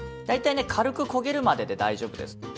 大体ね軽く焦げるまでで大丈夫です。